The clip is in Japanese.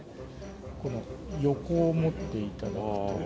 この横を持って頂くと。